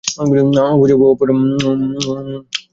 অপু বাবার হাত হইতে তাড়াতাড়ি কাগজের মোড়কটা লইয়া খুলিয়া ফেলে।